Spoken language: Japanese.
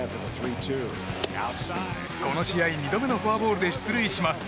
この試合２度目のフォアボールで出塁します。